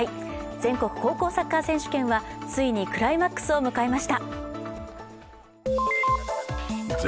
全国高校サッカー選手権はついにクライマックスを迎えました。